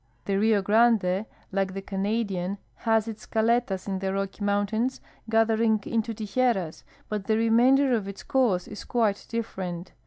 The Rio Grande, like the Canadian, has its caletas in the Rocky mountains, gathering into tijeras, but the remainder of its course is quite different.